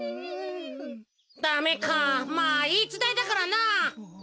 だめかまあいいつたえだからな。